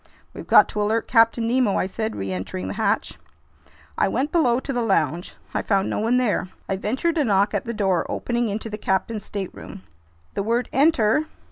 "We've got to alert Captain Nemo," I said, reentering the hatch. I went below to the lounge. I found no one there. I ventured a knock at the door opening into the captain's stateroom. The word "Enter!"